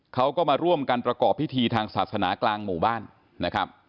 เขาก็มาร่วมกันประกอบพิธีทางศาสนากลางหมู่บ้านนะครับ